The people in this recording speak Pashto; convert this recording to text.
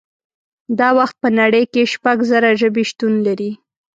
دا وخت په نړۍ کې شپږ زره ژبې شتون لري